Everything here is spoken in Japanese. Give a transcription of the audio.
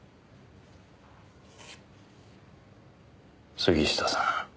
杉下さん